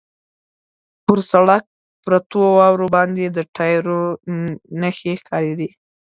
پر سړک پرتو واورو باندې د ټایرو نښې ښکارېدې.